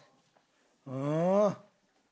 うん。